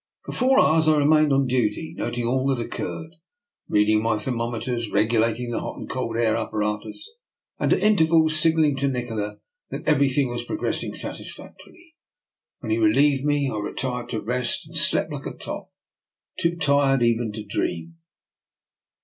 For four hours I remained on duty, noting all that occurred; reading my thermometers, regulating the hot and cold air apparatus, and at intervals signalling to Nikola that everything was progressing satisfactorily. When he relieved me, I retired to rest and slept like a top, too tired even to dream.